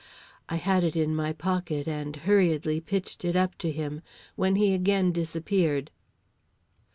I had it in my pocket and hurriedly pitched it up to him, when he again disappeared.